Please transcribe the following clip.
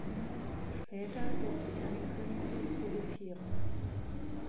Später durfte sie an den Königshof zurückkehren.